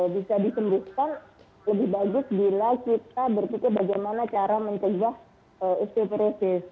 bisa disembuhkan lebih bagus bila kita berpikir bagaimana cara mencegah osteoporosis